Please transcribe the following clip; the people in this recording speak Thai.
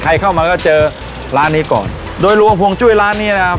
เข้ามาก็เจอร้านนี้ก่อนโดยรวมพวงจุ้ยร้านนี้นะครับ